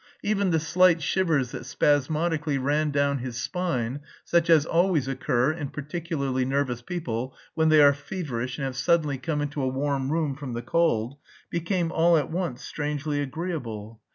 Even the slight shivers that spasmodically ran down his spine such as always occur in particularly nervous people when they are feverish and have suddenly come into a warm room from the cold became all at once strangely agreeable.